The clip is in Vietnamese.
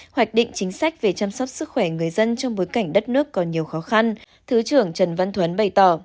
hoạch định chính sách về chăm sóc sức khỏe người dân trong bối cảnh đất nước còn nhiều khó khăn thứ trưởng trần văn thuấn bày tỏ